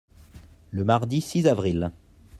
Le mardi six avril.